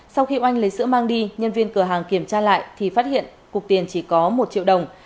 sau khi oanh lấy sữa mang đi nhân viên cửa hàng kiểm tra lại thì phát hiện cục tiền chỉ có một triệu đồng